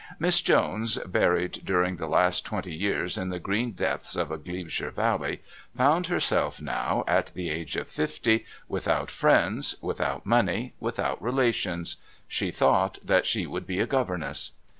Miss Jones, buried during the last twenty years in the green depths of a Glebeshire valley, found herself now, at the age of fifty, without friends, without money, without relations. She thought that she would be a governess.